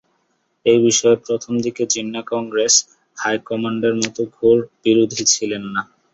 এ বিষয়ে প্রথম দিকে জিন্নাহ কংগ্রেস হাইকমান্ডের মতো ঘোর বিরোধী ছিলেন না।